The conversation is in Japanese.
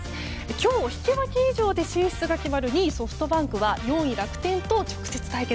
今日引き分け以上で進出が決まる２位、ソフトバンクは４位、楽天と直接対決。